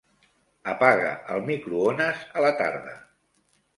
Apaga el microones a la tarda.